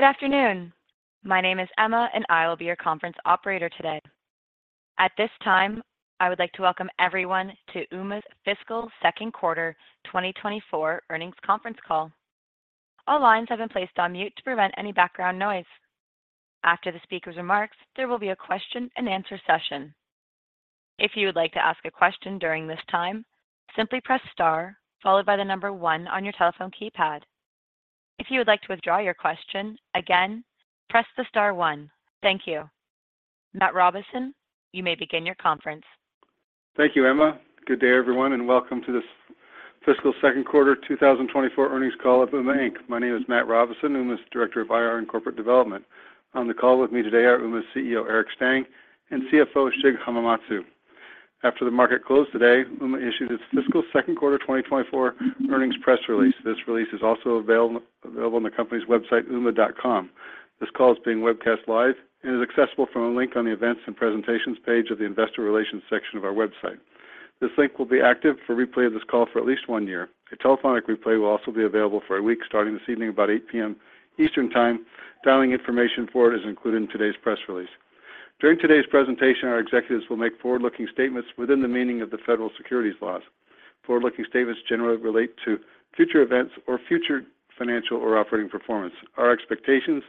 Good afternoon. My name is Emma, and I will be your conference operator today. At this time, I would like to welcome everyone to Ooma's fiscal second quarter 2024 earnings conference call. All lines have been placed on mute to prevent any background noise. After the speaker's remarks, there will be a question-and-answer session. If you would like to ask a question during this time, simply press star, followed by the number one on your telephone keypad. If you would like to withdraw your question, again, press the star 1. Thank you. Matt Robison, you may begin your conference. Thank you, Emma. Good day, everyone, welcome to this fiscal second quarter 2024 earnings call at Ooma, Inc.. My name is Matt Robison, Ooma's Director of IR and Corporate Development. On the call with me today are Ooma's CEO, Eric Stang, and CFO, Shig Hamamatsu. After the market closed today, Ooma issued its fiscal second quarter 2024 earnings press release. This release is also available on the company's website, ooma.com. This call is being webcast live is accessible from a link on the Events and Presentations page of the Investor Relations section of our website. This link will be active for replay of this call for at least one year. A telephonic replay will also be available for a week, starting this evening about 8:00 P.M. Eastern Time. Dialing information for it is included in today's press release. During today's presentation, our executives will make forward-looking statements within the meaning of the federal securities laws. Forward-looking statements generally relate to future events or future financial or operating performance. Our expectations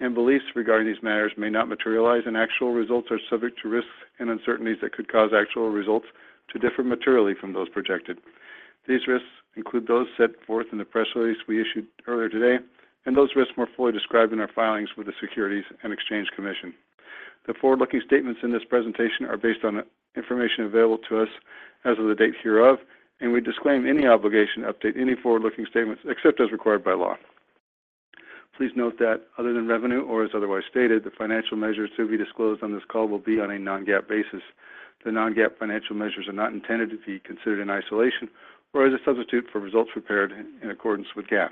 and beliefs regarding these matters may not materialize, and actual results are subject to risks and uncertainties that could cause actual results to differ materially from those projected. These risks include those set forth in the press release we issued earlier today, and those risks more fully described in our filings with the Securities and Exchange Commission. The forward-looking statements in this presentation are based on information available to us as of the date hereof, and we disclaim any obligation to update any forward-looking statements except as required by law. Please note that other than revenue or as otherwise stated, the financial measures to be disclosed on this call will be on a non-GAAP basis. The non-GAAP financial measures are not intended to be considered in isolation or as a substitute for results prepared in accordance with GAAP.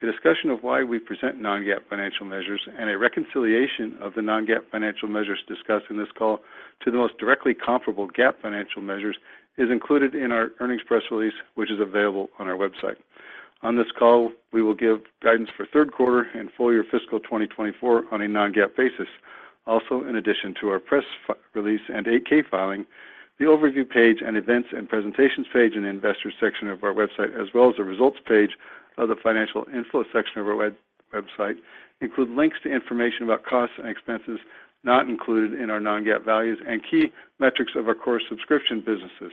A discussion of why we present non-GAAP financial measures and a reconciliation of the non-GAAP financial measures discussed in this call to the most directly comparable GAAP financial measures is included in our earnings press release, which is available on our website. On this call, we will give guidance for third quarter and full-year fiscal 2024 on a non-GAAP basis. Also, in addition to our press release and Form 8-K filing, the Overview page and Events and Presentations page in the Investors section of our website, as well as the Results page of the Financial Info section of our website, include links to information about costs and expenses not included in our non-GAAP values and key metrics of our core subscription businesses.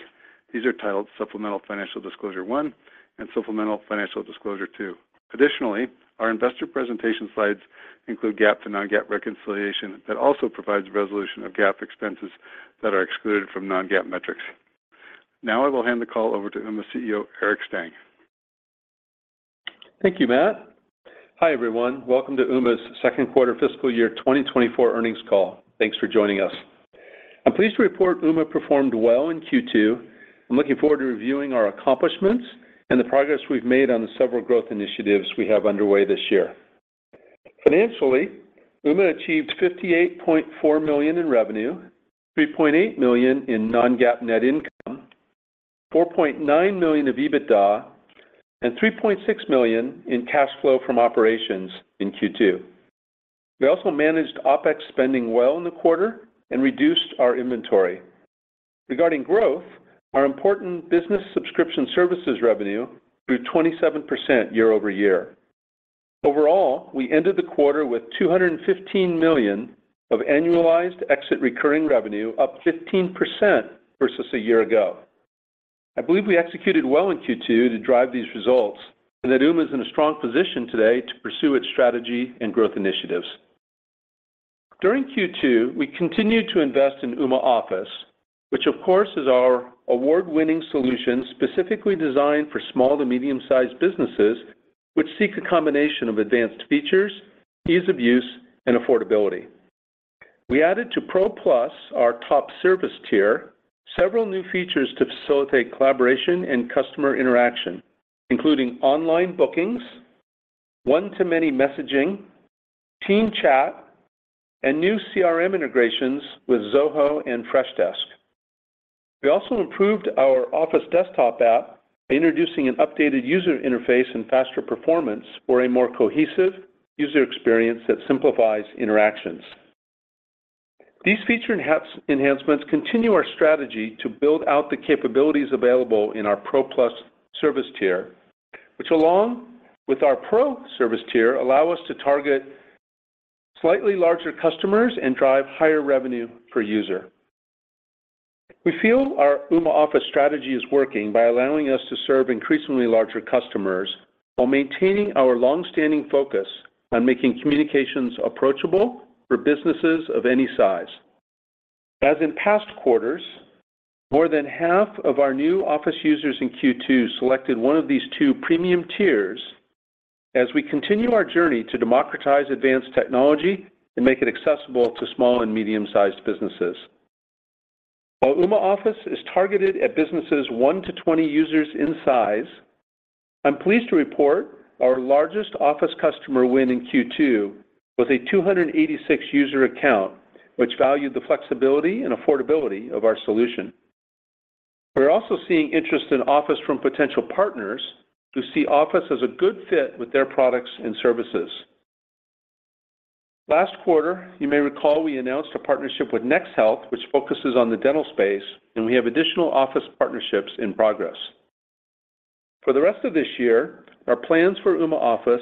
These are titled Supplemental Financial Disclosure 1 and Supplemental Financial Disclosure 2. Additionally, our investor presentation slides include GAAP to non-GAAP reconciliation that also provides resolution of GAAP expenses that are excluded from non-GAAP metrics. Now I will hand the call over to Ooma CEO, Eric Stang. Thank you, Matt. Hi, everyone. Welcome to Ooma's second quarter fiscal year 2024 earnings call. Thanks for joining us. I'm pleased to report Ooma performed well in Q2. I'm looking forward to reviewing our accomplishments and the progress we've made on the several growth initiatives we have underway this year. Financially, Ooma achieved $58.4 million in revenue, $3.8 million in non-GAAP net income, $4.9 million of EBITDA, and $3.6 million in cash flow from operations in Q2. We also managed OpEx spending well in the quarter and reduced our inventory. Regarding growth, our important business subscription services revenue grew 27% year-over-year. Overall, we ended the quarter with $215 million of Annualized Exit Recurring Revenue, up 15% versus a year ago. I believe we executed well in Q2 to drive these results and that Ooma is in a strong position today to pursue its strategy and growth initiatives. During Q2, we continued to invest in Ooma Office, which of course, is our award-winning solution, specifically designed for small to medium-sized businesses, which seek a combination of advanced features, ease of use, and affordability. We added to Pro Plus, our top service tier, several new features to facilitate collaboration and customer interaction, including online bookings, one-to-many messaging, team chat, and new CRM integrations with Zoho and Freshdesk. We also improved our Office desktop app by introducing an updated user interface and faster performance for a more cohesive user experience that simplifies interactions. These feature enhancements continue our strategy to build out the capabilities available in our Pro Plus service tier, which, along with our Pro service tier, allow us to target slightly larger customers and drive higher revenue per user. We feel our Ooma Office strategy is working by allowing us to serve increasingly larger customers while maintaining our long-standing focus on making communications approachable for businesses of any size. As in past quarters, more than half of our new Office users in Q2 selected one of these two premium tiers as we continue our journey to democratize advanced technology and make it accessible to small and medium-sized businesses. While Ooma Office is targeted at businesses one to 20 users in size, I'm pleased to report our largest Office customer win in Q2 was a 286-user account, which valued the flexibility and affordability of our solution. We're also seeing interest in Office from potential partners who see Office as a good fit with their products and services. Last quarter, you may recall, we announced a partnership with NexHealth, which focuses on the dental space. We have additional office partnerships in progress. For the rest of this year, our plans for Ooma Office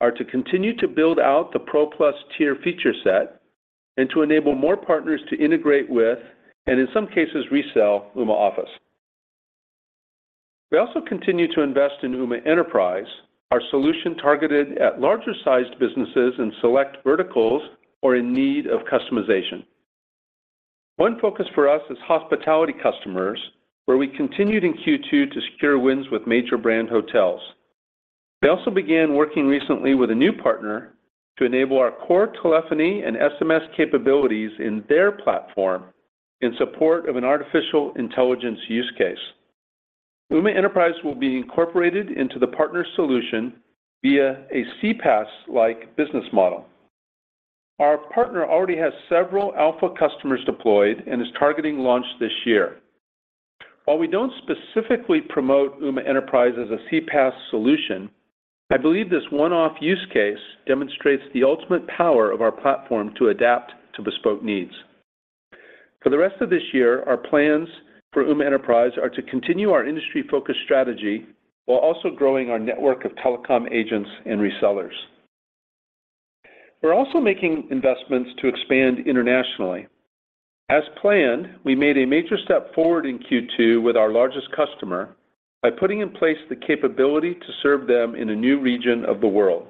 are to continue to build out the Pro Plus tier feature set and to enable more partners to integrate with, and in some cases, resell Ooma Office. We also continue to invest in Ooma Enterprise, our solution targeted at larger-sized businesses in select verticals or in need of customization. One focus for us is hospitality customers, where we continued in Q2 to secure wins with major brand hotels. We also began working recently with a new partner to enable our core telephony and SMS capabilities in their platform in support of an Artificial Intelligence use case. Ooma Enterprise will be incorporated into the partner solution via a CPaaS-like business model. Our partner already has several alpha customers deployed and is targeting launch this year. While we don't specifically promote Ooma Enterprise as a CPaaS solution, I believe this one-off use case demonstrates the ultimate power of our platform to adapt to bespoke needs. For the rest of this year, our plans for Ooma Enterprise are to continue our industry-focused strategy while also growing our network of telecom agents and resellers. We're also making investments to expand internationally. As planned, we made a major step forward in Q2 with our largest customer by putting in place the capability to serve them in a new region of the world.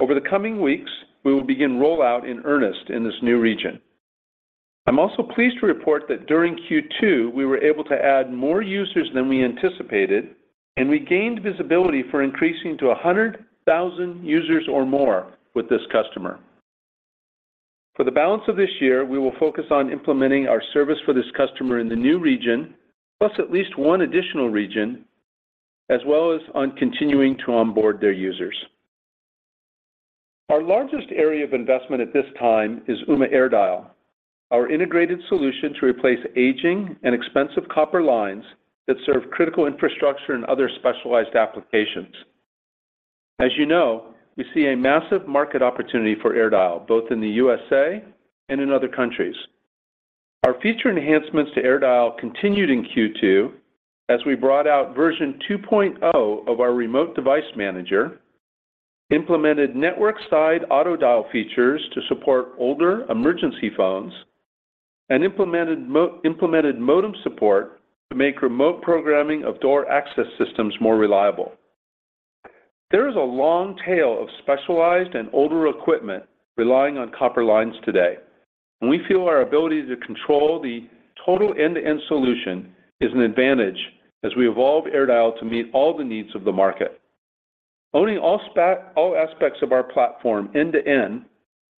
Over the coming weeks, we will begin rollout in earnest in this new region. I'm also pleased to report that during Q2, we were able to add more users than we anticipated, and we gained visibility for increasing to 100,000 users or more with this customer. For the balance of this year, we will focus on implementing our service for this customer in the new region, plus at least one additional region, as well as on continuing to onboard their users. Our largest area of investment at this time is Ooma AirDial, our integrated solution to replace aging and expensive copper lines that serve critical infrastructure and other specialized applications. As you know, we see a massive market opportunity for AirDial, both in the U.S.A and in other countries. Our feature enhancements to AirDial continued in Q2 as we brought out version 2.0 of our Remote Device Manager, implemented network-side auto-dial features to support older emergency phones, and implemented modem support to make remote programming of door access systems more reliable. There is a long tail of specialized and older equipment relying on copper lines today, and we feel our ability to control the total end-to-end solution is an advantage as we evolve AirDial to meet all the needs of the market. Owning all aspects of our platform end-to-end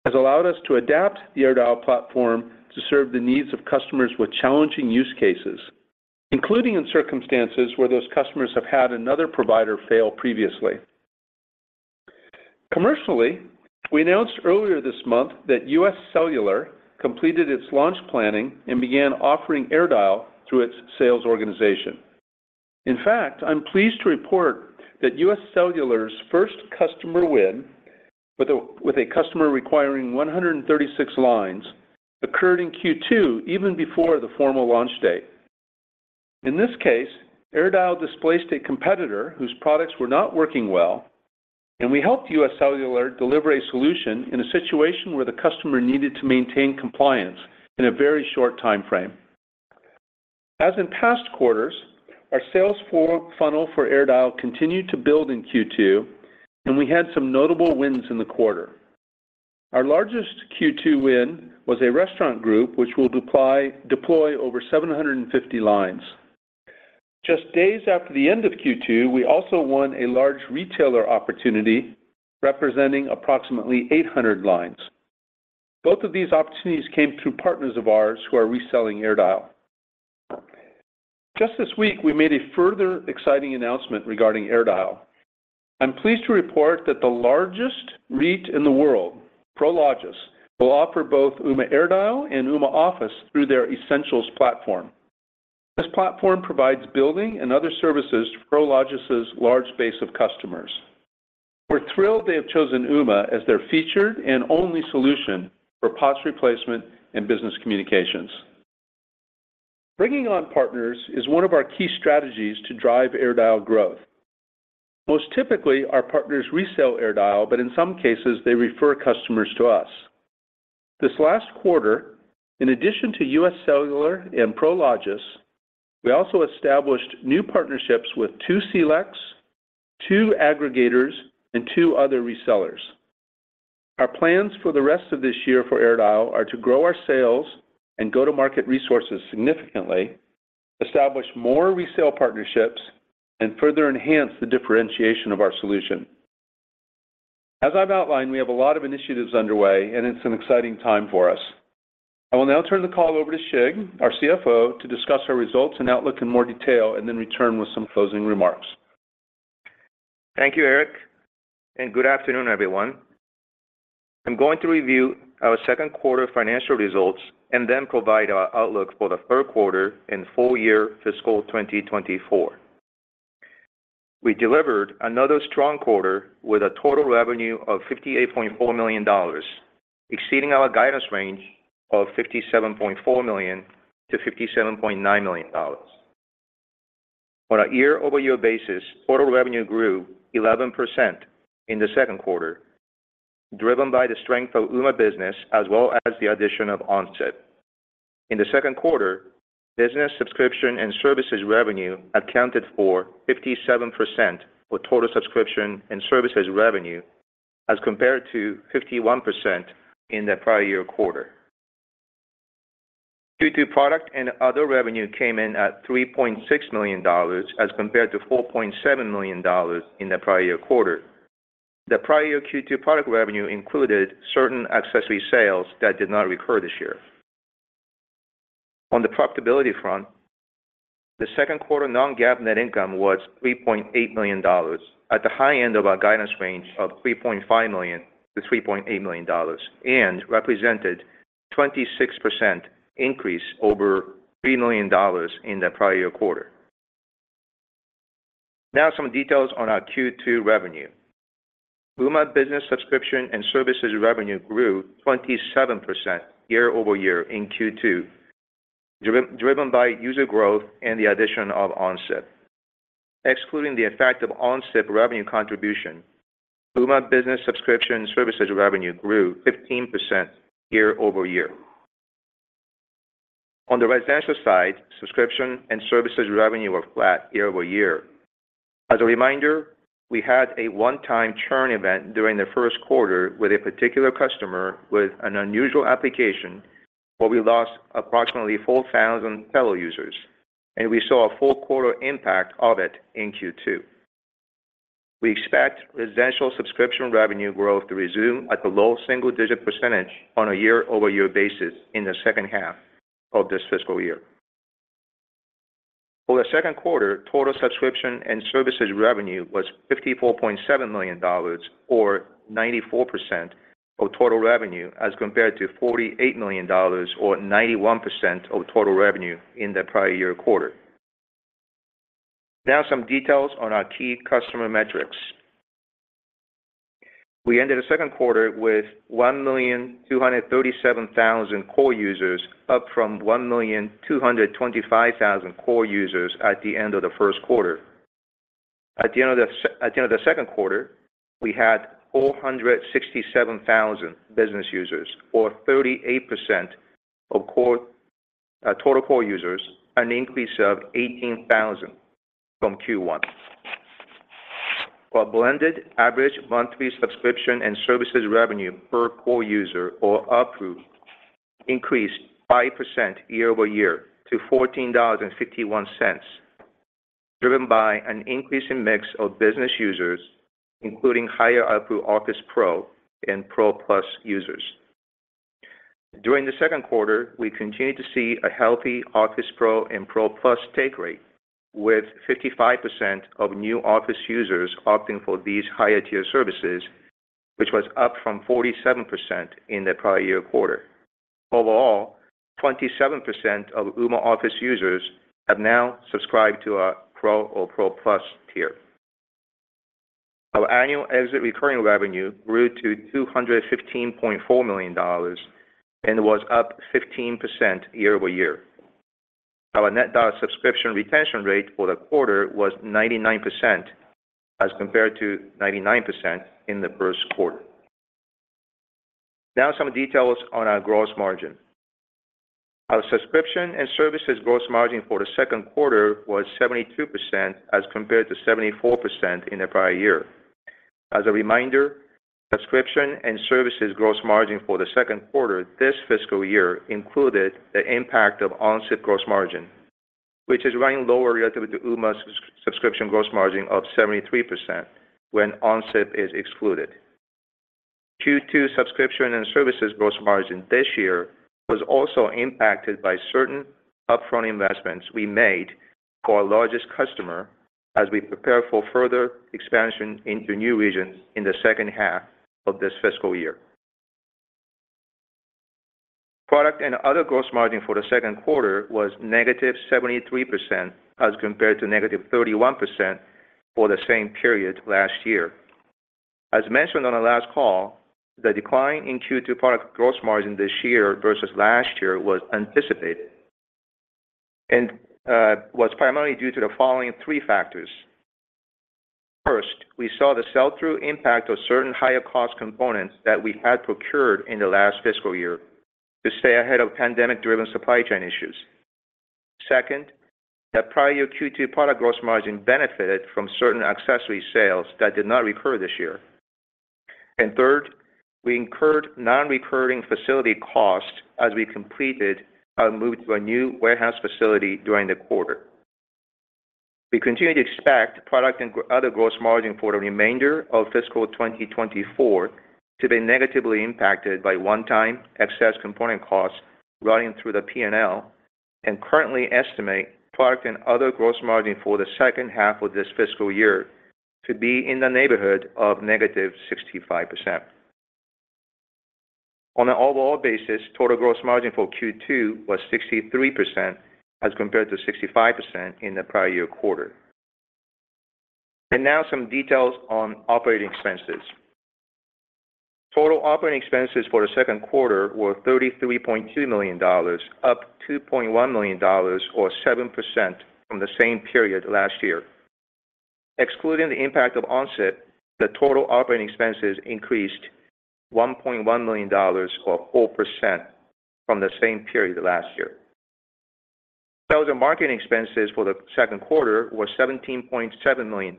has allowed us to adapt the AirDial platform to serve the needs of customers with challenging use cases, including in circumstances where those customers have had another provider fail previously. Commercially, we announced earlier this month that UScellular completed its launch planning and began offering AirDial through its sales organization. In fact, I'm pleased to report that UScellular's first customer win with a, with a customer requiring 136 lines occurred in Q2, even before the formal launch date. In this case, AirDial displaced a competitor whose products were not working well, and we helped UScellular deliver a solution in a situation where the customer needed to maintain compliance in a very short time frame. As in past quarters, our sales for funnel for AirDial continued to build in Q2, and we had some notable wins in the quarter. Our largest Q2 win was a restaurant group, which will deploy, deploy over 750 lines. Just days after the end of Q2, we also won a large retailer opportunity representing approximately 800 lines. Both of these opportunities came through partners of ours who are reselling AirDial. Just this week, we made a further exciting announcement regarding AirDial. I'm pleased to report that the largest REIT in the world, Prologis, will offer both Ooma AirDial and Ooma Office through their Essentials platform. This platform provides building and other services to Prologis' large base of customers. We're thrilled they have chosen Ooma as their featured and only solution for POTS replacement and business communications. Bringing on partners is one of our key strategies to drive AirDial growth. Most typically, our partners resell AirDial, but in some cases, they refer customers to us. This last quarter, in addition to UScellular and Prologis, we also established new partnerships with two CLECs, two aggregators, and two other resellers. Our plans for the rest of this year for AirDial are to grow our sales and go-to-market resources significantly, establish more resale partnerships, and further enhance the differentiation of our solution. As I've outlined, we have a lot of initiatives underway, and it's an exciting time for us. I will now turn the call over to Shig, our CFO, to discuss our results and outlook in more detail and then return with some closing remarks. Thank you, Eric. Good afternoon, everyone. I'm going to review our second quarter financial results, then provide our outlook for the third quarter and full year fiscal 2024. We delivered another strong quarter with a total revenue of $58.4 million, exceeding our guidance range of $57.4 million-$57.9 million. On a year-over-year basis, total revenue grew 11% in the second quarter, driven by the strength of Ooma business as well as the addition of OnSIP. In the second quarter, business subscription and services revenue accounted for 57% of total subscription and services revenue, as compared to 51% in theprior-year quarter. Q2 product and other revenue came in at $3.6 million, as compared to $4.7 million in theprior-year quarter. The prior-year Q2 product revenue included certain accessory sales that did not recur this year. On the profitability front, the second quarter non-GAAP net income was $3.8 million, at the high end of our guidance range of $3.5 million-$3.8 million, and represented 26% increase over $3 million in the prior-year quarter. Some details on our Q2 revenue. Ooma business subscription and services revenue grew 27% year-over-year in Q2, driven by user growth and the addition of OnSIP. Excluding the effect of OnSIP revenue contribution, Ooma business subscription services revenue grew 15% year-over-year. On the residential side, subscription and services revenue were flat year-over-year. As a reminder, we had a one-time churn event during the first quarter with a particular customer with an unusual application, where we lost approximately 4,000 Telo users, and we saw a full quarter impact of it in Q2. We expect residential subscription revenue growth to resume at the low single-digit % on a year-over-year basis in the second half of this fiscal year. For the second quarter, total subscription and services revenue was $54.7 million or 94% of total revenue, as compared to $48 million or 91% of total revenue in the prior-year quarter. Some details on our key customer metrics. We ended the second quarter with 1,237,000 core users, up from 1,225,000 core users at the end of the first quarter. At the end of the second quarter, we had 467,000 business users, or 38% of core, total core users, an increase of 18,000 from Q1. Our blended average monthly subscription and services revenue per core user or ARPU, increased 5% year-over-year to $14.51, driven by an increase in mix of business users, including higher ARPU Ooma Office Pro and Ooma Office Pro Plus users. During the second quarter, we continued to see a healthy Ooma Office Pro and Ooma Office Pro Plus take rate, with 55% of new Ooma Office users opting for these higher tier services, which was up from 47% in the prior-year quarter. Overall, 27% of Ooma Office users have now subscribed to our Ooma Office Pro or Ooma Office Pro Plus tier. Our Annualized Exit Recurring Revenue grew to $215.4 million and was up 15% year-over-year. Our Net Dollar Subscription Retention Rate for the quarter was 99%, as compared to 99% in the first quarter. Some details on our gross margin. Our subscription and services gross margin for the second quarter was 72%, as compared to 74% in theprior-year. As a reminder, subscription and services gross margin for the second quarter this fiscal year included the impact of OnSIP gross margin, which is running lower relative to Ooma's subscription gross margin of 73% when OnSIP is excluded. Q2 subscription and services gross margin this year was also impacted by certain upfront investments we made for our largest customer as we prepare for further expansion into new regions in the second half of this fiscal year. Product and other gross margin for the second quarter was negative 73%, as compared to negative 31% for the same period last year. As mentioned on our last call, the decline in Q2 product gross margin this year versus last year was anticipated and was primarily due to the following three factors. First, we saw the sell-through impact of certain higher cost components that we had procured in the last fiscal year to stay ahead of pandemic-driven supply chain issues. Second, the prior-year Q2 product gross margin benefited from certain accessory sales that did not recur this year. Third, we incurred non-recurring facility costs as we completed our move to a new warehouse facility during the quarter. We continue to expect product and other gross margin for the remainder of fiscal 2024 to be negatively impacted by one-time excess component costs running through the P&L. We currently estimate product and other gross margin for the second half of this fiscal year to be in the neighborhood of -65%. On an overall basis, total gross margin for Q2 was 63% as compared to 65% in the prior-year quarter. Now some details on operating expenses. Total operating expenses for the second quarter were $33.2 million, up $2.1 million or 7% from the same period last year. Excluding the impact of OnSIP, the total operating expenses increased $1.1 million or 4% from the same period last year. Sales and marketing expenses for the second quarter were $17.7 million,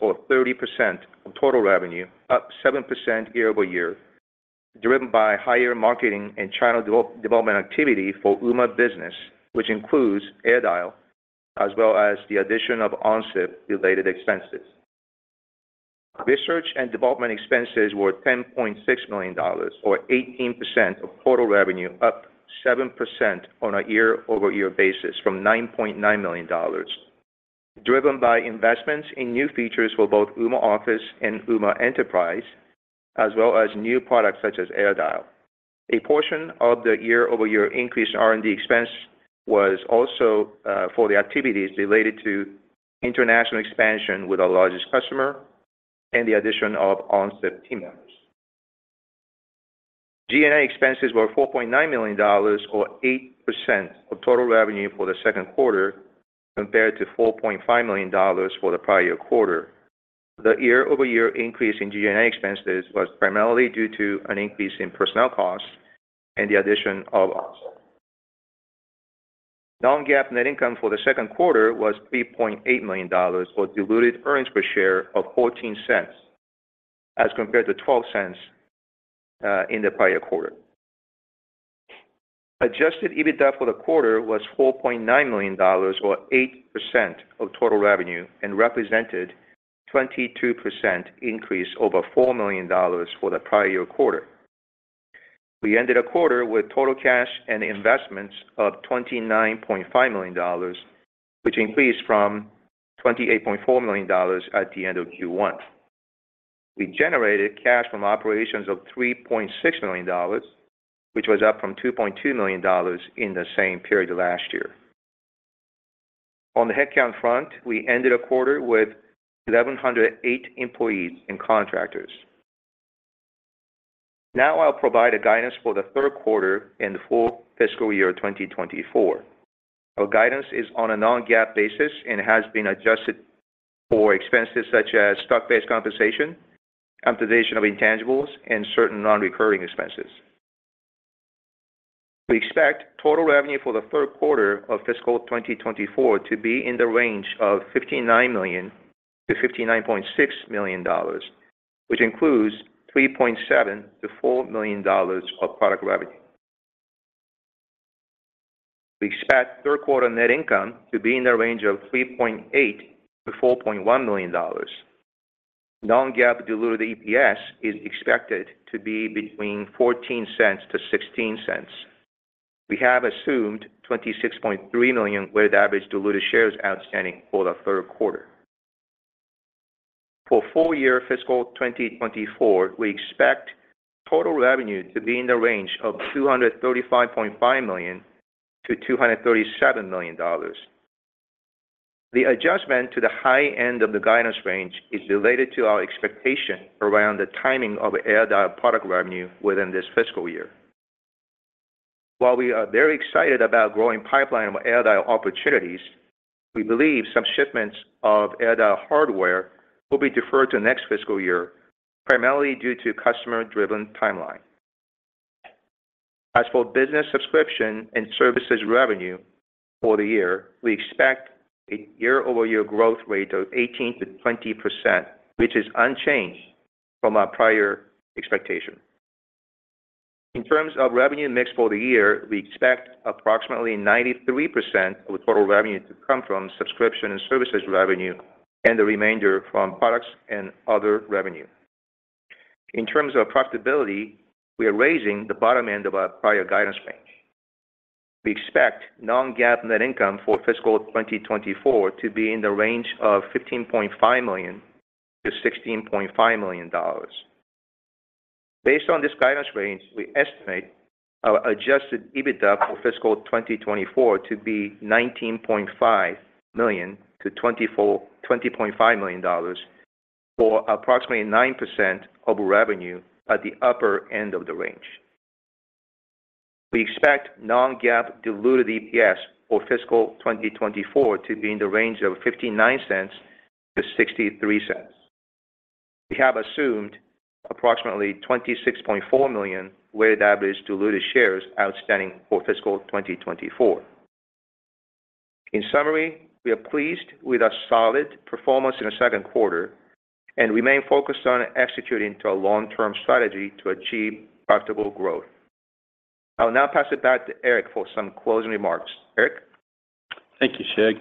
or 30% of total revenue, up 7% year-over-year, driven by higher marketing and channel develop, development activity for Ooma Business, which includes AirDial, as well as the addition of OnSIP-related expenses. Research and development expenses were $10.6 million, or 18% of total revenue, up 7% on a year-over-year basis from $9.9 million, driven by investments in new features for both Ooma Office and Ooma Enterprise, as well as new products such as AirDial. A portion of the year-over-year increase in R&D expense was also for the activities related to international expansion with our largest customer and the addition of OnSIP team members. G&A expenses were $4.9 million, or 8% of total revenue for the second quarter, compared to $4.5 million for the prior-year quarter. The year-over-year increase in G&A expenses was primarily due to an increase in personnel costs and the addition of OnSIP. non-GAAP net income for the second quarter was $3.8 million, or diluted earnings per share of $0.14, as compared to $0.12 in the prior quarter. adjusted EBITDA for the quarter was $4.9 million, or 8% of total revenue, and represented 22% increase over $4 million for the prior-year quarter. We ended the quarter with total cash and investments of $29.5 million, which increased from $28.4 million at the end of Q1. We generated cash from operations of $3.6 million, which was up from $2.2 million in the same period last year. On the headcount front, we ended the quarter with 1,108 employees and contractors. I'll provide a guidance for the third quarter and the full fiscal year 2024. Our guidance is on a non-GAAP basis and has been adjusted for expenses such as stock-based compensation, amortization of intangibles, and certain non-recurring expenses. We expect total revenue for the third quarter of fiscal 2024 to be in the range of $59 million-$59.6 million, which includes $3.7 million-$4 million of product revenue. We expect third quarter net income to be in the range of $3.8 million-$4.1 million. Non-GAAP diluted EPS is expected to be between $0.14-$0.16. We have assumed 26.3 million weighted average diluted shares outstanding for the third quarter. For full year fiscal 2024, we expect total revenue to be in the range of $235.5 million-$237 million. The adjustment to the high end of the guidance range is related to our expectation around the timing of AirDial product revenue within this fiscal year. While we are very excited about growing pipeline of AirDial opportunities, we believe some shipments of AirDial hardware will be deferred to next fiscal year, primarily due to customer-driven timeline. As for business subscription and services revenue for the year, we expect a year-over-year growth rate of 18%-20%, which is unchanged from our prior expectation. In terms of revenue mix for the year, we expect approximately 93% of total revenue to come from subscription and services revenue, and the remainder from products and other revenue. In terms of profitability, we are raising the bottom end of our prior guidance range. We expect non-GAAP net income for fiscal 2024 to be in the range of $15.5 million-$16.5 million. Based on this guidance range, we estimate our adjusted EBITDA for fiscal 2024 to be $19.5 million-$20.5 million, or approximately 9% of revenue at the upper end of the range. We expect non-GAAP diluted EPS for fiscal 2024 to be in the range of $0.59-$0.63. We have assumed approximately 26.4 million weighted average diluted shares outstanding for fiscal 2024. In summary, we are pleased with our solid performance in the second quarter and remain focused on executing to our long-term strategy to achieve profitable growth. I will now pass it back to Eric for some closing remarks. Eric? Thank you, Shig.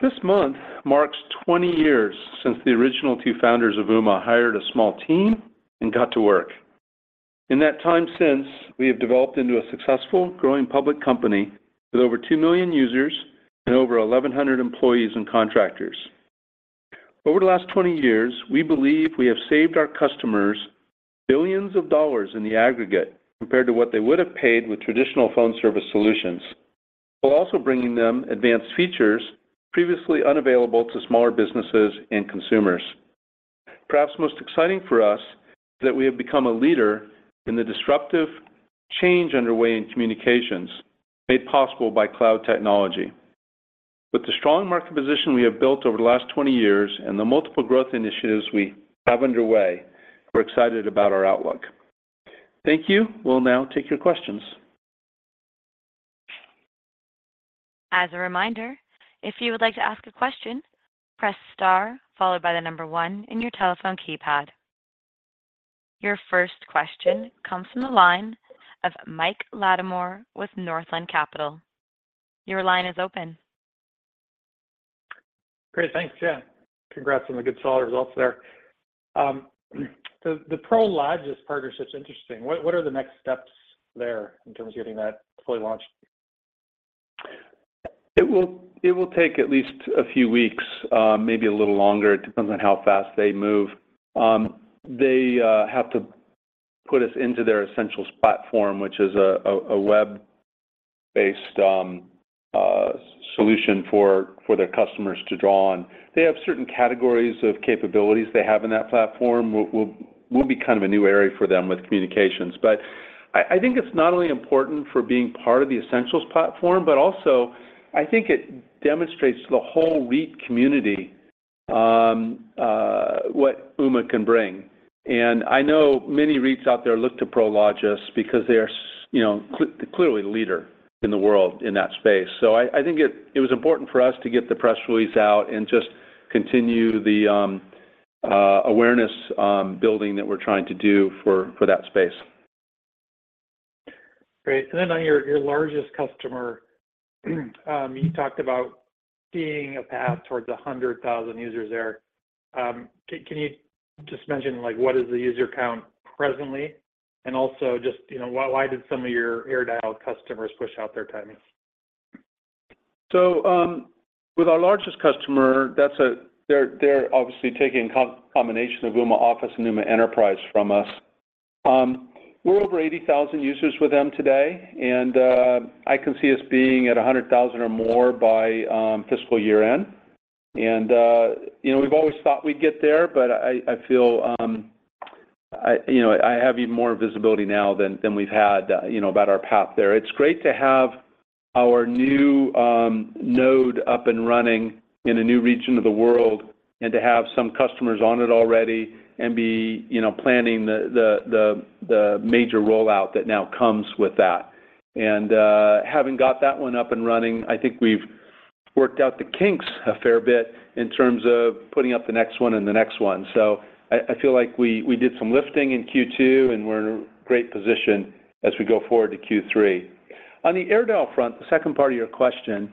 This month marks 20 years since the original two founders of Ooma hired a small team and got to work. In that time since, we have developed into a successful, growing public company with over 2 million users and over 1,100 employees and contractors. Over the last 20 years, we believe we have saved our customers billions of dollars in the aggregate compared to what they would have paid with traditional phone service solutions, while also bringing them advanced features previously unavailable to smaller businesses and consumers. Perhaps most exciting for us, is that we have become a leader in the disruptive change underway in communications, made possible by cloud technology. With the strong market position we have built over the last 20 years and the multiple growth initiatives we have underway, we're excited about our outlook. Thank you. We'll now take your questions. As a reminder, if you would like to ask a question, press star, followed by the number one in your telephone keypad. Your first question comes from the line of Michael Latimore with Northland Capital. Your line is open. Great. Thanks, Jen. Congrats on the good solid results there. The Prologis partnership's interesting. What are the next steps there in terms of getting that fully launched? It will, it will take at least a few weeks, maybe a little longer. It depends on how fast they move. They have to put us into their Essentials platform, which is a web-based solution for their customers to draw on. They have certain categories of capabilities they have in that platform. We'll, we'll be kind of a new area for them with communications. I, I think it's not only important for being part of the Essentials platform, but also, I think it demonstrates to the whole REIT community what Ooma can bring. I know many REITs out there look to Prologis because they are you know, clearly the leader in the world in that space. I, I think it, it was important for us to get the press release out and just continue the awareness building that we're trying to do for, for that space. Great. On your, your largest customer, you talked about seeing a path towards 100,000 users there. Can you just mention, like, what is the user count presently? Also just, you know, why, why did some of your AirDial customers push out their timing? With our largest customer, they're obviously taking a combination of Ooma Office and Ooma Enterprise from us. We're over 80,000 users with them today, and I can see us being at 100,000 or more by fiscal year-end. You know, we've always thought we'd get there, but I, I feel, I, you know, I have even more visibility now than, than we've had, you know, about our path there. It's great to have our new node up and running in a new region of the world and to have some customers on it already and be, you know, planning the, the, the, the major rollout that now comes with that. Having got that one up and running, I think we've worked out the kinks a fair bit in terms of putting up the next one and the next one. I, I feel like we, we did some lifting in Q2, and we're in a great position as we go forward to Q3. On the AirDial front, the second part of your question,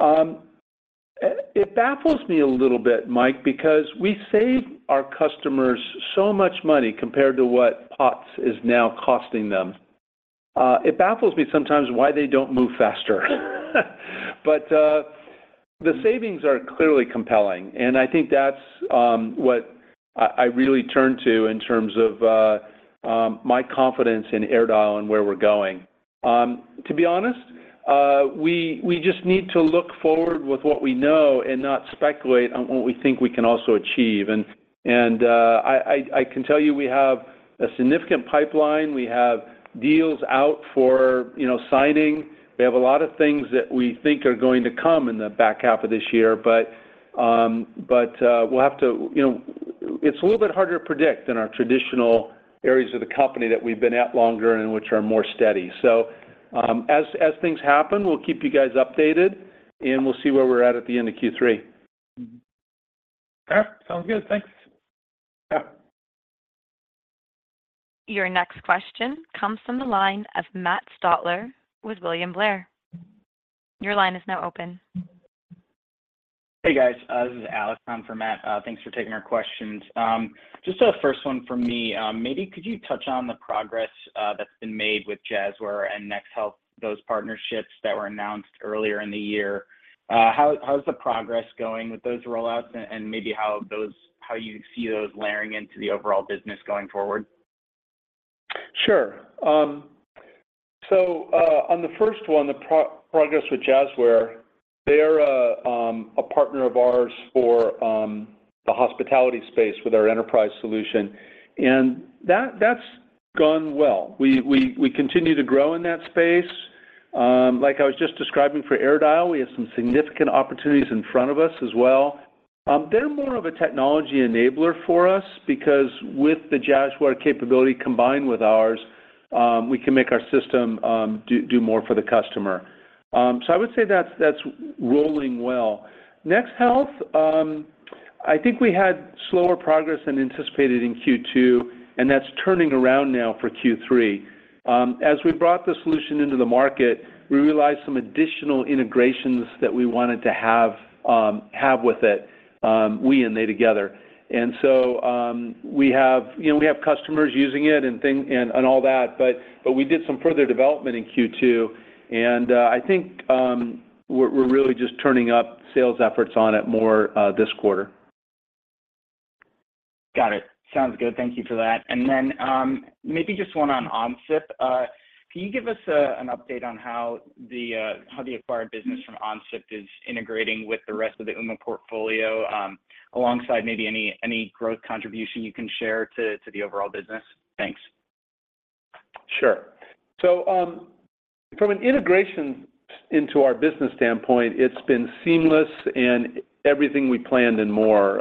it baffles me a little bit, Mike, because we save our customers so much money compared to what POTS is now costing them. It baffles me sometimes why they don't move faster. The savings are clearly compelling, and I think that's what I, I really turn to in terms of my confidence in AirDial and where we're going. To be honest, we, we just need to look forward with what we know and not speculate on what we think we can also achieve. I, I, I can tell you, we have a significant pipeline. We have deals out for, you know, signing. We have a lot of things that we think are going to come in the back half of this year. You know, it's a little bit harder to predict than our traditional areas of the company that we've been at longer and which are more steady. As, as things happen, we'll keep you guys updated, and we'll see where we're at at the end of Q3. Mm-hmm. Fair. Sounds good. Thanks. Yeah. Your next question comes from the line of Matt Stotler with William Blair. Your line is now open. Hey, guys. This is Alex in for Matt. Thanks for taking our questions. Just a first one for me. Maybe could you touch on the progress that's been made with Jazzwares and NexHealth, those partnerships that were announced earlier in the year? How, how is the progress going with those rollouts, and maybe how you see those layering into the overall business going forward? Sure. On the first one, the progress with Jazzwares, they're a partner of ours for the hospitality space with our Enterprise solution, and that's gone well. We continue to grow in that space. Like I was just describing for AirDial, we have some significant opportunities in front of us as well. They're more of a technology enabler for us because with the Jazzwares capability combined with ours, we can make our system do more for the customer. I would say that's rolling well. NexHealth, I think we had slower progress than anticipated in Q2, and that's turning around now for Q3. As we brought the solution into the market, we realized some additional integrations that we wanted to have with it, we and they together. We have, you know, we have customers using it and thing, and, and all that, but, but we did some further development in Q2, and, I think, we're, we're really just turning up sales efforts on it more, this quarter. Got it. Sounds good. Thank you for that. Maybe just one on OnSIP. Can you give us an update on how the acquired business from OnSIP is integrating with the rest of the Ooma portfolio, alongside maybe any, any growth contribution you can share to the overall business? Thanks. Sure. From an integration into our business standpoint, it's been seamless and everything we planned and more.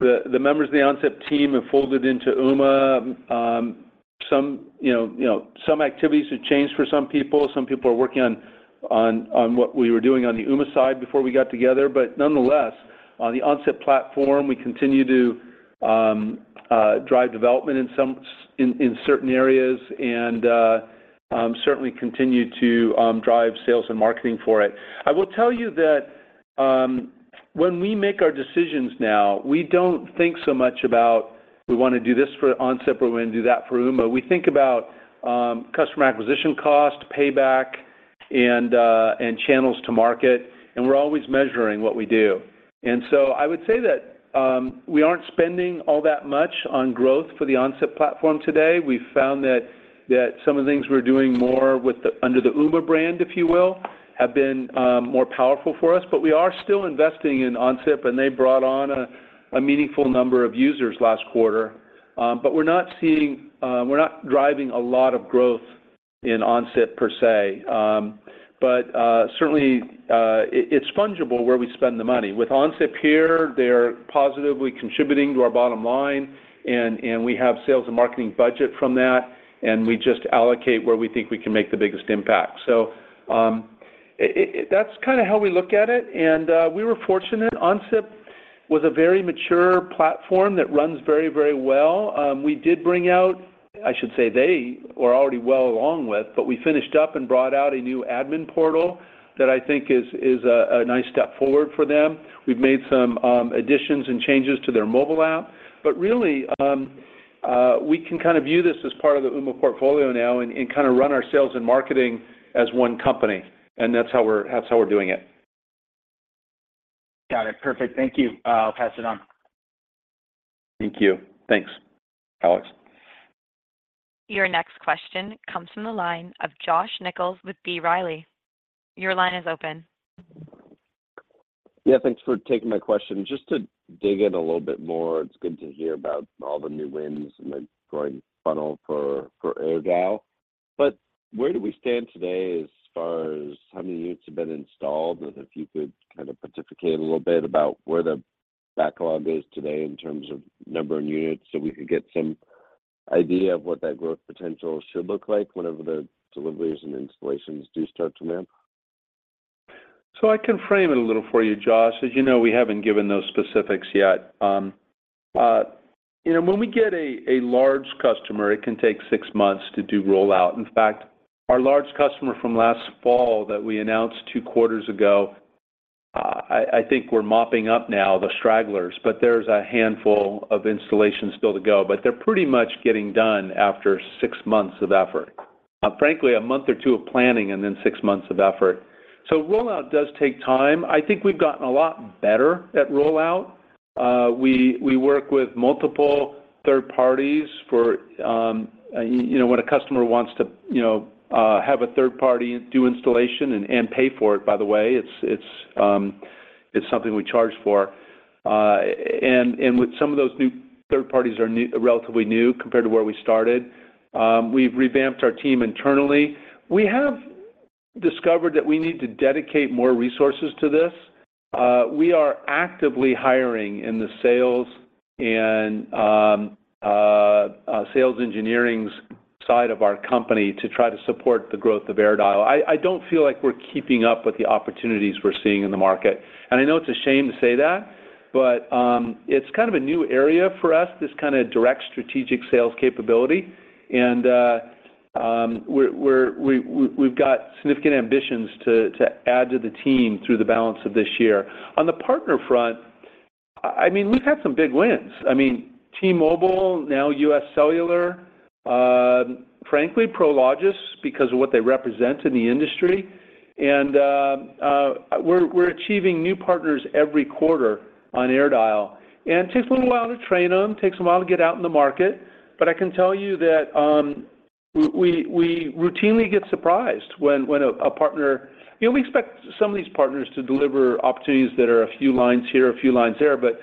The members of the OnSIP team have folded into Ooma. Some, you know, you know, some activities have changed for some people. Some people are working on what we were doing on the Ooma side before we got together. Nonetheless, on the OnSIP platform, we continue to drive development in certain areas and certainly continue to drive sales and marketing for it. I will tell you that when we make our decisions now, we don't think so much about, we wanna do this for OnSIP, or we wanna do that for Ooma. We think about customer acquisition cost, payback, and channels to market, and we're always measuring what we do. I would say that we aren't spending all that much on growth for the OnSIP platform today. We found that some of the things we're doing more with the under the Ooma brand, if you will, have been more powerful for us. We are still investing in OnSIP, and they brought on a meaningful number of users last quarter. We're not driving a lot of growth in OnSIP per se. Certainly, it's fungible where we spend the money. With OnSIP here, they're positively contributing to our bottom line, and we have sales and marketing budget from that, and we just allocate where we think we can make the biggest impact. That's kinda how we look at it, and we were fortunate. OnSIP was a very mature platform that runs very, very well. We did bring out I should say they were already well along with, but we finished up and brought out a new admin portal that I think is, is a, a nice step forward for them. We've made some additions and changes to their mobile app, but really, we can kind of view this as part of the Ooma portfolio now and, and kinda run our sales and marketing as one company, and that's how we're doing it. Got it. Perfect. Thank you. I'll pass it on. Thank you. Thanks, Alex. Your next question comes from the line of Josh Nichols with B. Riley. Your line is open. Yeah, thanks for taking my question. Just to dig in a little bit more, it's good to hear about all the new wins and the growing funnel for, for AirDial. Where do we stand today as far as how many units have been installed? If you could kind of pontificate a little bit about where the backlog is today in terms of number of units, so we could get some idea of what that growth potential should look like whenever the deliveries and installations do start to ramp. I can frame it a little for you, Josh. As you know, we haven't given those specifics yet. you know, when we get a large customer, it can take six months to do rollout. Our large customer from last fall that we announced two quarters ago, I think we're mopping up now, the stragglers, but there's a handful of installations still to go, but they're pretty much getting done after six months of effort. Frankly, a month or two of planning and then six months of effort. Rollout does take time. I think we've gotten a lot better at rollout. We, we work with multiple third parties for, you know, when a customer wants to, you know, have a third party do installation and, and pay for it, by the way, it's, it's, it's something we charge for. And with some of those new third parties are new- relatively new compared to where we started, we've revamped our team internally. We have discovered that we need to dedicate more resources to this. We are actively hiring in the sales and sales engineerings side of our company to try to support the growth of AirDial. I, I don't feel like we're keeping up with the opportunities we're seeing in the market. I know it's a shame to say that, but it's kind of a new area for us, this kinda direct strategic sales capability. We've got significant ambitions to add to the team through the balance of this year. On the partner front, I mean, we've had some big wins. I mean, T-Mobile, now UScellular, frankly, Prologis, because of what they represent in the industry, and we're achieving new partners every quarter on AirDial. It takes a little while to train them, takes a while to get out in the market, but I can tell you that we routinely get surprised when a partner. You know, we expect some of these partners to deliver opportunities that are a few lines here, a few lines there, but,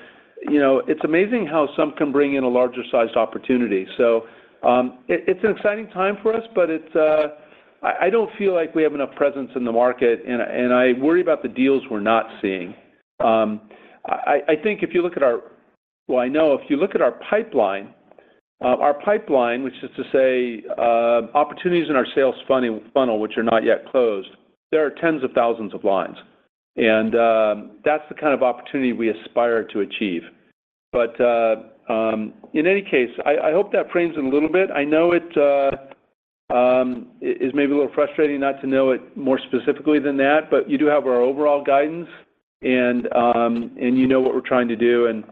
you know, it's amazing how some can bring in a larger-sized opportunity. It, it's an exciting time for us, but it's, I, I don't feel like we have enough presence in the market, and, and I worry about the deals we're not seeing. Well, I know if you look at our pipeline. Our pipeline, which is to say, opportunities in our sales funnel, which are not yet closed, there are tens of thousands of lines, and that's the kind of opportunity we aspire to achieve. In any case, I, I hope that frames it a little bit. I know it, it is maybe a little frustrating not to know it more specifically than that, but you do have our overall guidance, and you know what we're trying to do.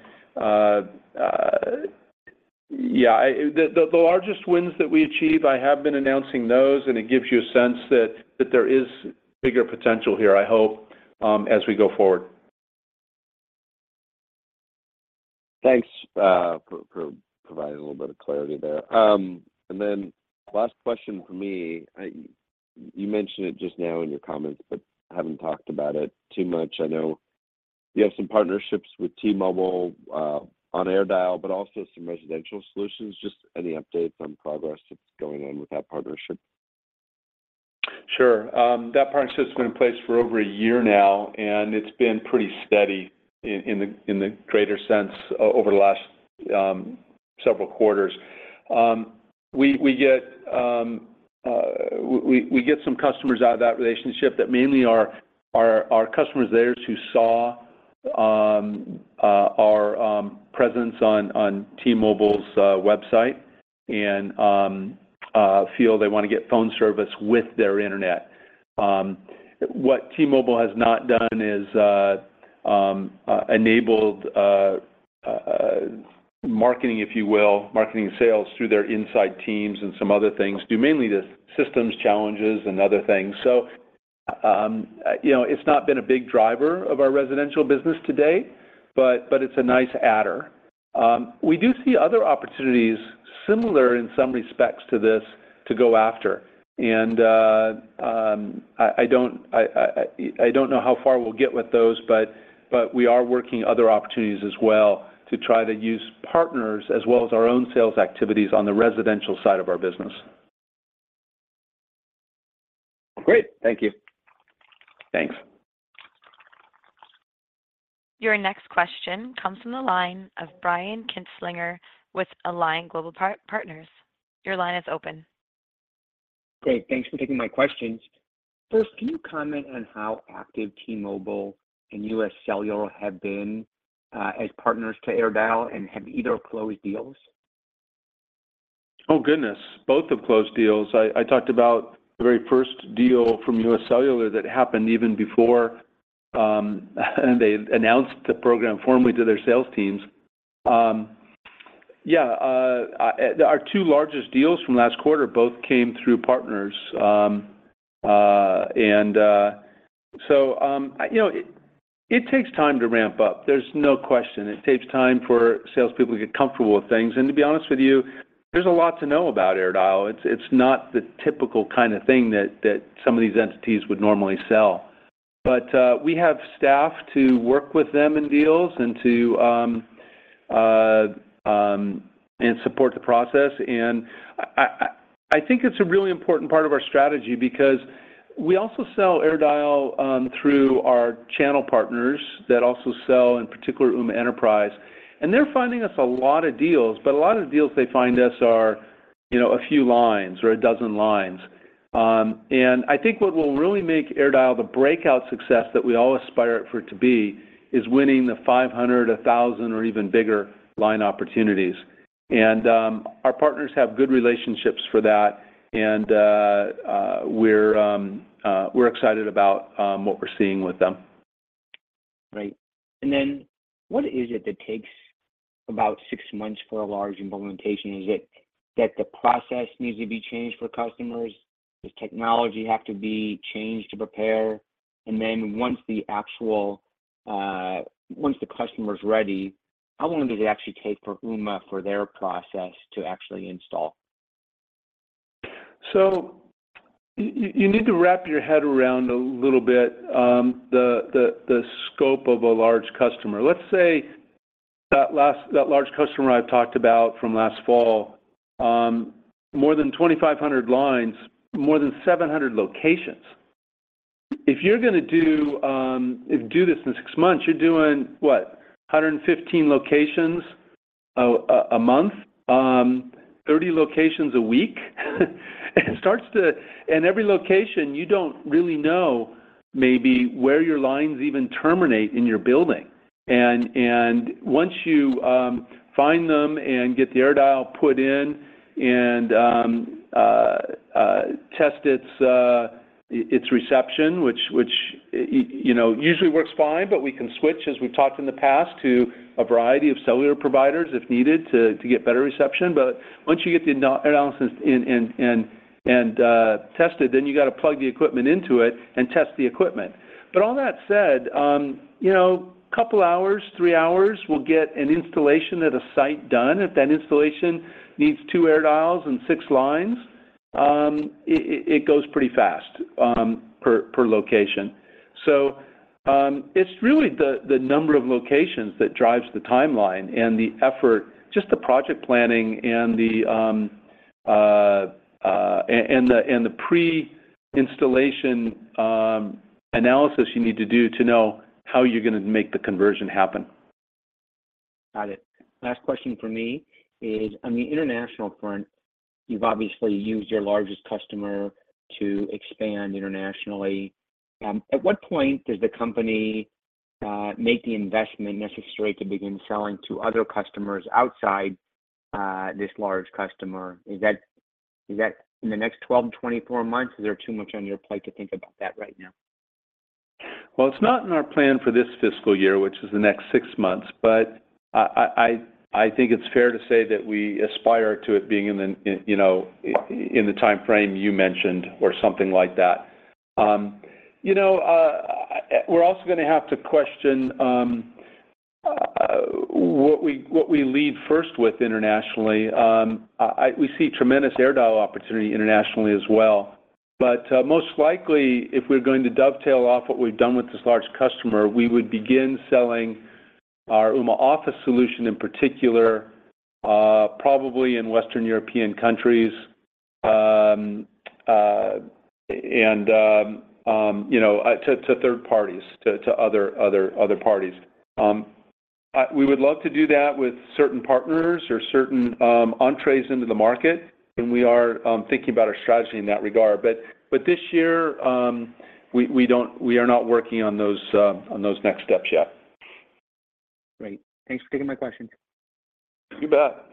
Yeah, the largest wins that we achieve, I have been announcing those, and it gives you a sense that, that there is bigger potential here, I hope, as we go forward. Thanks, for, for providing a little bit of clarity there. Last question from me. You mentioned it just now in your comments but haven't talked about it too much. I know you have some partnerships with T-Mobile on AirDial, but also some residential solutions. Just any updates on progress that's going on with that partnership? Sure. That partnership has been in place for over a year now, and it's been pretty steady in, in the, in the greater sense over the last several quarters. We, we get, we, we get some customers out of that relationship that mainly are, are, are customers there's who saw our presence on, on T-Mobile's website and feel they want to get phone service with their internet. What T-Mobile has not done is enabled marketing, if you will, marketing sales through their inside teams and some other things, due mainly to systems challenges and other things. You know, it's not been a big driver of our residential business today, but, but it's a nice adder. We do see other opportunities similar in some respects to this to go after. I don't know how far we'll get with those. We are working other opportunities as well to try to use partners as well as our own sales activities on the residential side of our business. Great. Thank you. Thanks. Your next question comes from the line of Brian Kinstlinger with Alliance Global Partners. Your line is open. Great. Thanks for taking my questions. First, can you comment on how active T-Mobile and USCellular have been as partners to AirDial, and have either closed deals? Oh, goodness, both have closed deals. I, I talked about the very first deal from UScellular that happened even before, they announced the program formally to their sales teams. Yeah, our two largest deals from last quarter both came through partners. You know, it takes time to ramp up. There's no question. It takes time for salespeople to get comfortable with things, and to be honest with you, there's a lot to know about AirDial. It's, it's not the typical kind of thing that, that some of these entities would normally sell. We have staff to work with them in deals and to, and support the process. I, I, I think it's a really important part of our strategy because we also sell AirDial, through our channel partners that also sell, in particular, Ooma Enterprise, and they're finding us a lot of deals, but a lot of the deals they find us are, you know, a few lines or 12 lines. I think what will really make AirDial the breakout success that we all aspire it for it to be is winning the 500, 1,000, or even bigger line opportunities. Our partners have good relationships for that, and we're excited about what we're seeing with them. Great. What is it that takes about six months for a large implementation? Is it that the process needs to be changed for customers? Does technology have to be changed to prepare? Once the customer's ready, how long does it actually take for Ooma, for their process to actually install? You need to wrap your head around a little bit, the, the, the scope of a large customer. Let's say that large customer I've talked about from last fall, more than 2,500 lines, more than 700 locations. If you're gonna do, do this in 6 months, you're doing, what? 115 locations a month, 30 locations a week. Every location, you don't really know maybe where your lines even terminate in your building. Once you find them and get the AirDial put in and test its reception, which, which, you know, usually works fine, but we can switch, as we've talked in the past, to a variety of cellular providers if needed to get better reception. Once you get the analysis in, and tested, then you got to plug the equipment into it and test the equipment. All that said, you know, a couple of hours, 3 hours, we'll get an installation at a site done. If that installation needs two AirDials and six lines, it, it, it goes pretty fast, per, per location. It's really the number of locations that drives the timeline and the effort, just the project planning and the pre-installation analysis you need to do to know how you're gonna make the conversion happen. Got it. Last question from me is, on the international front, you've obviously used your largest customer to expand internationally. At what point does the company make the investment necessary to begin selling to other customers outside this large customer? Is that, is that in the next 12 to 24 months, or is there too much on your plate to think about that right now? Well, it's not in our plan for this fiscal year, which is the next six months, but I think it's fair to say that we aspire to it being in the, in, you know, in the timeframe you mentioned or something like that. You know, we're also gonna have to question what we, what we lead first with internationally. I see tremendous AirDial opportunity internationally as well, but most likely, if we're going to dovetail off what we've done with this large customer, we would begin selling our Ooma Office solution, in particular, probably in Western European countries, and, you know, to, to third parties, to, to other, other, other parties. I... We would love to do that with certain partners or certain, entrees into the market, and we are, thinking about our strategy in that regard. This year, we, we are not working on those, on those next steps yet. Great. Thanks for taking my question. You bet.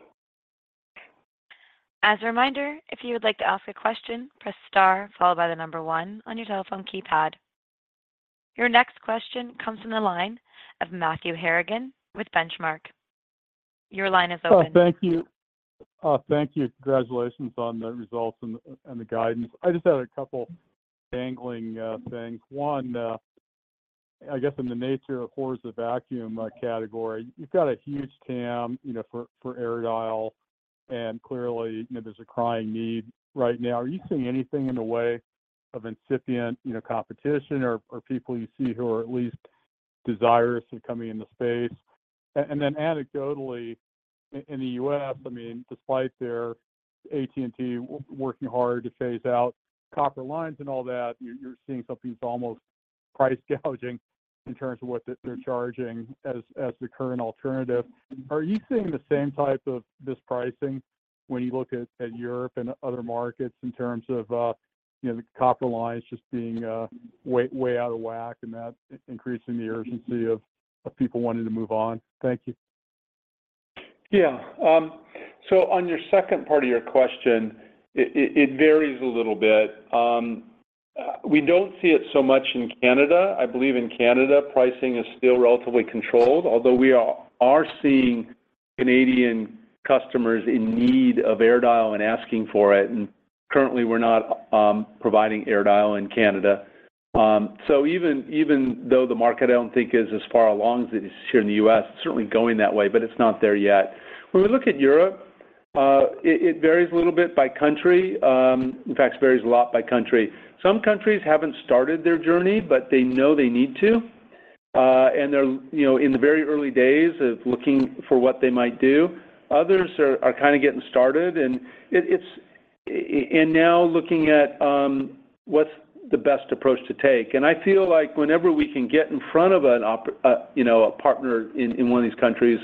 As a reminder, if you would like to ask a question, press star followed by one on your telephone keypad. Your next question comes from the line of Matthew Harrigan with Benchmark. Your line is open. Oh, thank you. Thank you. Congratulations on the results and the, and the guidance. I just had a couple dangling things. One, I guess in the nature of horrors of vacuum category, you've got a huge TAM, you know, for, for AirDial, and clearly, you know, there's a crying need right now. Are you seeing anything in the way of incipient, you know, competition or, or people you see who are at least desirous of coming in the space? Then anecdotally, in the U.S., I mean, despite their AT&T working hard to phase out copper lines and all that, you're, you're seeing something that's almost price gouging in terms of what they're charging as, as the current alternative. Are you seeing the same type of mispricing when you look at, at Europe and other markets in terms of, you know, the copper lines just being, way, way out of whack and that increasing the urgency of, of people wanting to move on? Thank you. Yeah. On your second part of your question, it, it, it varies a little bit. We don't see it so much in Canada. I believe in Canada, pricing is still relatively controlled, although we are, are seeing Canadian customers in need of AirDial and asking for it, and currently, we're not providing AirDial in Canada. Even, even though the market, I don't think, is as far along as it is here in the U.S., certainly going that way, but it's not there yet. When we look at Europe, it, it varies a little bit by country, in fact, it varies a lot by country. Some countries haven't started their journey, but they know they need to. They're, you know, in the very early days of looking for what they might do. Others are, are kinda getting started, it, it's now looking at, what's the best approach to take. I feel like whenever we can get in front of, you know, a partner in, in one of these countries,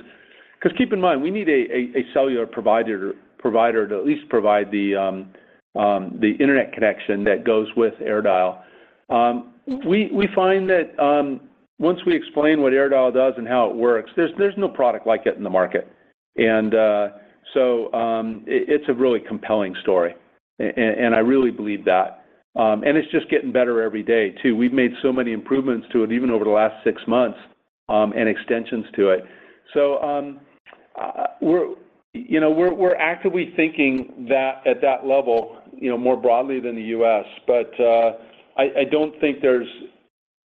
'cause keep in mind, we need a, a, a cellular provider, provider to at least provide the internet connection that goes with AirDial. We, we find that, once we explain what AirDial does and how it works, there's, there's no product like it in the market. It, it's a really compelling story, and I really believe that. It's just getting better every day, too. We've made so many improvements to it, even over the last six months, and extensions to it. We're, you know, we're, we're actively thinking that at that level, you know, more broadly than the U.S., but I, I don't think that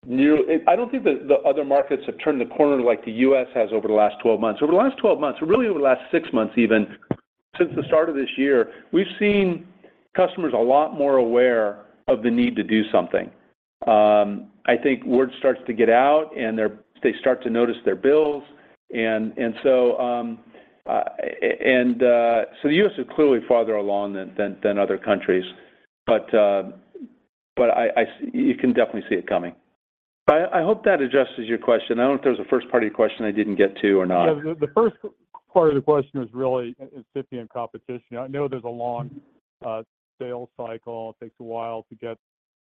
the other markets have turned the corner like the U.S. has over the last 12 months. Over the last 12 months, or really over the last six months even, since the start of this year, we've seen customers a lot more aware of the need to do something. I think word starts to get out, and they start to notice their bills. The U.S. is clearly farther along than, than, than other countries, but I, I You can definitely see it coming. I, I hope that addresses your question. I don't know if there was a first part of your question I didn't get to or not. Yeah, the, the first part of the question was really incipient competition. I know there's a long sales cycle. It takes a while to get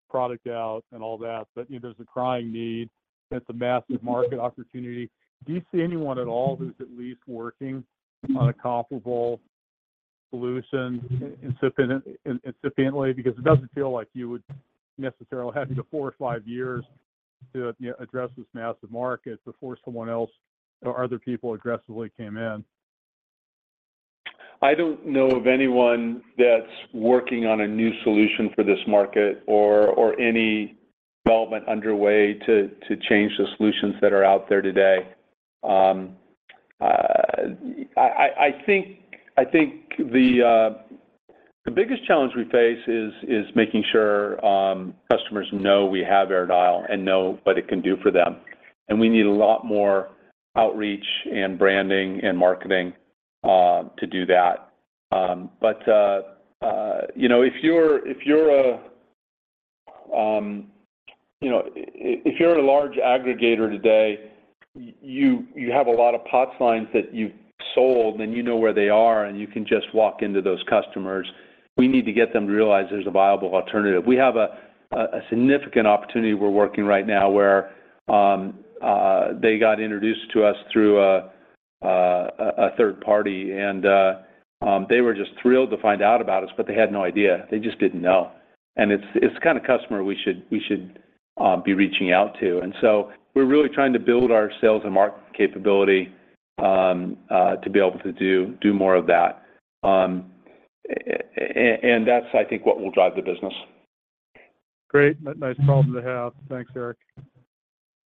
product out and all that, but, you know, there's a crying need, and it's a massive market opportunity. Do you see anyone at all who's at least working on a comparable solution, incipiently? Because it doesn't feel like you would necessarily have four or five years to, you know, address this massive market before someone else or other people aggressively came in. I don't know of anyone that's working on a new solution for this market or, or any development underway to, to change the solutions that are out there today. I think, I think the biggest challenge we face is, is making sure customers know we have AirDial and know what it can do for them, and we need a lot more outreach and branding and marketing to do that. You know, if you're, if you're a, you know, if you're a large aggregator today, you, you have a lot of POTS lines that you've sold, and you know where they are, and you can just walk into those customers. We need to get them to realize there's a viable alternative. We have a, a, a significant opportunity we're working right now, where they got introduced to us through a, a, a third party, and they were just thrilled to find out about us, but they had no idea. They just didn't know. It's, it's the kind of customer we should, we should, be reaching out to. We're really trying to build our sales and marketing capability, to be able to do, do more of that. That's, I think, what will drive the business. Great. Nice problem to have. Thanks, Eric.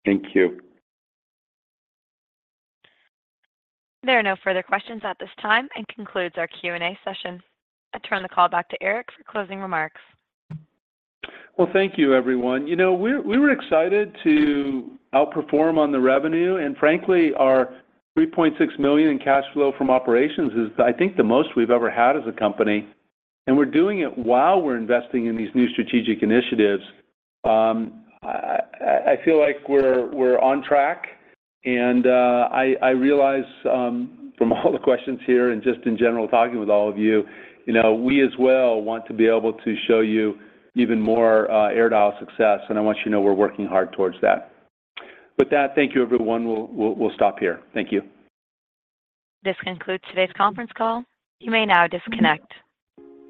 Thank you. There are no further questions at this time, and concludes our Q&A session. I turn the call back to Eric for closing remarks. Well, thank you, everyone. You know, we were excited to outperform on the revenue. Frankly, our $3.6 million in cash flow from operations is, I think, the most we've ever had as a company. We're doing it while we're investing in these new strategic initiatives. I feel like we're on track. I realize, from all the questions here and just in general, talking with all of you, you know, we as well want to be able to show you even more AirDial success. I want you to know we're working hard towards that. With that, thank you, everyone. We'll stop here. Thank you. This concludes today's conference call. You may now disconnect.